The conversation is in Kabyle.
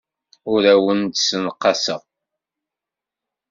Ur awen-d-ssenqaseɣ.